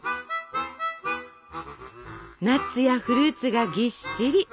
ナッツやフルーツがぎっしり！